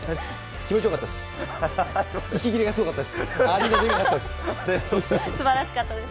気持ちよかったです。